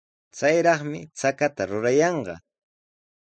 Chayraqmi chakata rurayanqa.